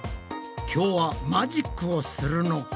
今日はマジックをするのか？